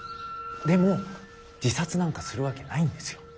でも自殺なんかするわけないんですよ。